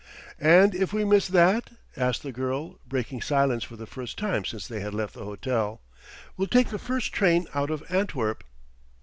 "And if we miss that?" asked the girl, breaking silence for the first time since they had left the hotel. "We'll take the first train out of Antwerp."